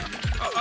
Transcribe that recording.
あ。